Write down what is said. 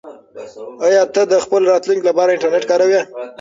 آیا ته د خپل راتلونکي لپاره انټرنیټ کاروې؟